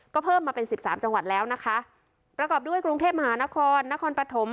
ก็เพิ่มมาเป็นสิบสามจังหวัดแล้วนะคะประกอบด้วยกรุงเทพมหานครนครปฐม